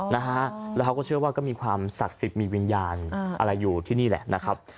นะฮะแล้วเขาก็เชื่อว่าก็มีความศักดิ์สิทธิ์มีวิญญาณอะไรอยู่ที่นี่แหละนะครับ